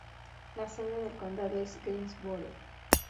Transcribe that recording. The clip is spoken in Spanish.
La sede de condado es Greensboro.